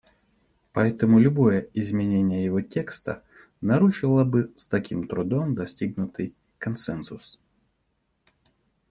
Поэтому любое изменение его текста нарушило бы с таким трудом достигнутый консенсус.